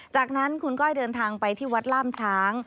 จากนั้นคุณก้อยเดินทางไปที่วัดล่ามช้าง